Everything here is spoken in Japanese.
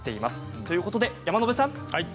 ということで山野辺さん。